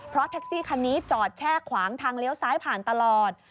เพราะแท็กซี่คันนี้จอดแช่ขวางทางเลี้ยวซ้ายผ่านตลอด